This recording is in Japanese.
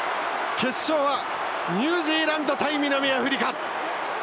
決勝はニュージーランド対南アフリカ。